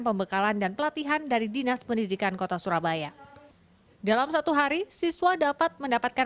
pembekalan dan pelatihan dari dinas pendidikan kota surabaya dalam satu hari siswa dapat mendapatkan